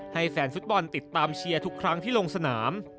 ให้แฟนฟุตบอลติดตามเชียร์ทุกครั้งที่ลงสนาม